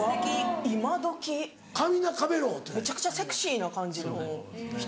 めちゃくちゃセクシーな感じの人。